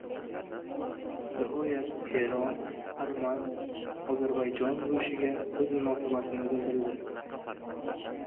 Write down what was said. Nihoyat Eron arman-ozarbayjon urushiga o‘z munosabatini bildirdi